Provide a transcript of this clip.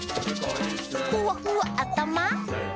「ふわふわあたま」